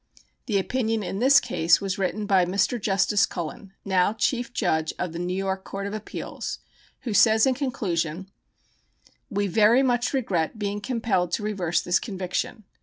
The opinion in this case was written by Mr. justice Cullen, now Chief Judge of the New York Court of Appeals, who says in conclusion: "We very much regret being compelled to reverse this conviction.